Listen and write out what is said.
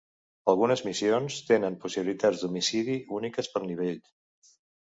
Algunes missions tenen possibilitats d"homicidi úniques pel nivell.